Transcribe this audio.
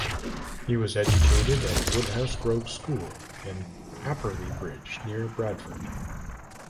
He was educated at Woodhouse Grove School in Apperley Bridge near Bradford.